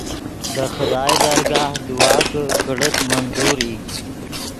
دے خدائے درگاہ دعا کہ کڑیت منظور ای